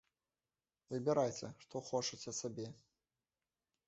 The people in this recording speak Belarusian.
Выбірайце, што хочаце сабе.